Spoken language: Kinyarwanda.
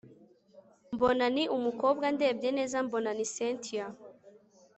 mbona ni umukobwa, ndebye neza mbona ni cyntia